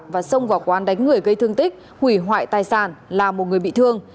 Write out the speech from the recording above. và xông vào quán đánh người gây thương tích hủy hoại tài sản là một người bị thương